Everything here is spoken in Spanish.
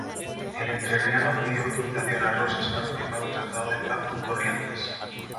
El entrerriano pidió autorización a Rosas para firmar un tratado de paz con Corrientes.